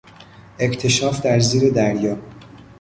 اکتشاف در زیر دریا